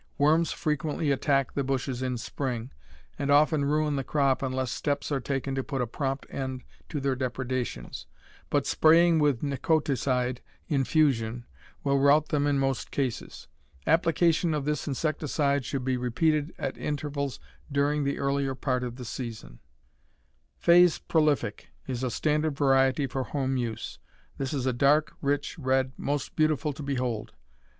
Worms frequently attack the bushes in spring, and often ruin the crop unless steps are taken to put a prompt end to their depredations, but spraying with Nicoticide infusion will rout them in most cases. Application of this insecticide should be repeated at intervals during the earlier part of the season. Fay's Prolific is a standard variety for home use. This is a dark, rich red, most beautiful to behold.